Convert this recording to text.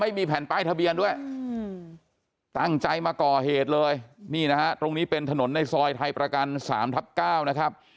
ไม่มีแผ่นป้ายทะเบียนด้วยตั้งใจมาก่อเหตุเลยนี่นะฮะตรงนี้เป็นถนนในซอยไทยประกัน๓ทับ๙นะครับ